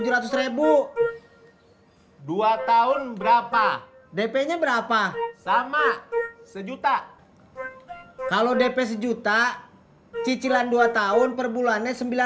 dua tahun berapa dp nya berapa sama sejuta kalau dp sejuta cicilan dua tahun perbulannya